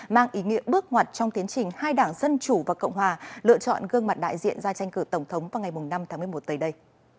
mang ý nghĩa bước ngoặt trong tiến trình hai đảng dân chủ và cộng hòa lựa chọn gương mặt đại diện ra tranh cử tổng thống vào ngày năm tháng một mươi một tới đây